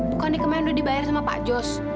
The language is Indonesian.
bukan nih kemarin udah dibayar sama pak jos